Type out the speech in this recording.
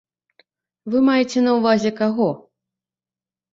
Вы маеце на ўвазе каго?